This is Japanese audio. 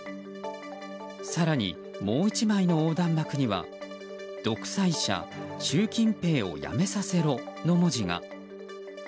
更に、もう１枚の横断幕には独裁者、習近平を辞めさせろの文字が。